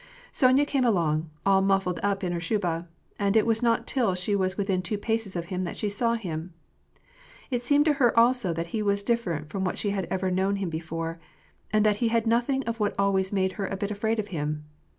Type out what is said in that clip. Sonya came along, all muffled up in her shuba, and it was not till she was within two paces of him that she saw him ; it seemed to her also that he was different from what she had ever known him before, and that he had nothing of what always made her a bit afraid of him.